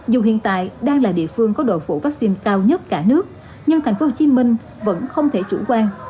dù hiện tại đang là địa phương có độ phủ vaccine cao nhất cả nước nhưng tp hcm vẫn không thể chủ quan